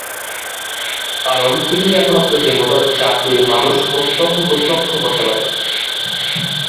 কারণ তিনিই একমাত্র দেবতা যাঁকে মানুষ প্রত্যহ প্রত্যক্ষ করতে পারেন।